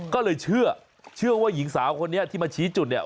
ก็เลยเชื่อเชื่อว่าหญิงสาวคนนี้ที่มาชี้จุดเนี่ย